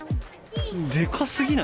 でかすぎない？